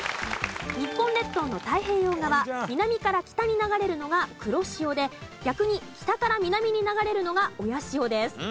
日本列島の太平洋側南から北に流れるのが黒潮で逆に北から南に流れるのが親潮です。